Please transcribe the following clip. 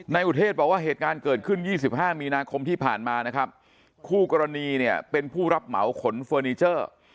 นายอุเทศบอกว่าเหตุการณ์เกิดขึ้น๒๕มีนาคมที่ผ่านมานะครับคู่กรณีเนี่ยเป็นผู้รับเหมาขนเฟอร์นิเจอร์